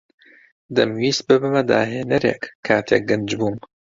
دەمویست ببمە داھێنەرێک کاتێک گەنج بووم.